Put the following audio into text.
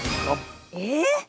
えっ？